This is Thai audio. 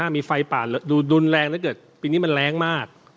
มีไฟป่าดูรุนแรงแล้วเกิดปีนี้มันแรงมาก